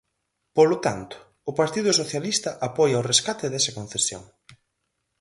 Polo tanto, o Partido Socialista apoia o rescate desa concesión.